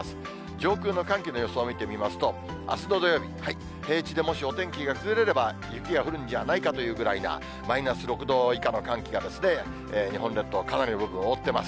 上空の寒気の予想を見てみますと、あすの土曜日、平地でもしお天気が崩れれば、雪が降るんじゃないかというぐらいなマイナス６度以下の寒気が日本列島、かなりの部分を覆ってます。